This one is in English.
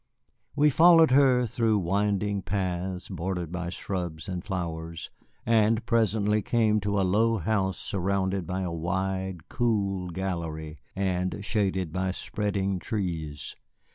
We followed her through winding paths bordered by shrubs and flowers, and presently came to a low house surrounded by a wide, cool gallery, and shaded by spreading trees.